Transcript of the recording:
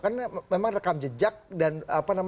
karena memang rekam jejak dan